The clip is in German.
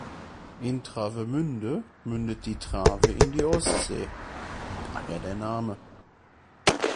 In Travemünde mündet die Trave in die Ostsee, daher der Name.